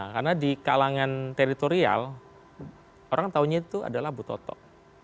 karena di kalangan teritorial orang taunya itu adalah abu totok